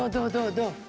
どう？